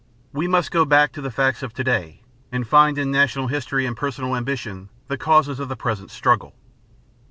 We must go back of the facts of to day and find in national history and personal ambition the causes of the present struggle.